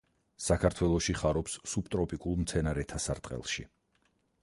საქართველოში ხარობს სუბტროპიკულ მცენარეთა სარტყელში.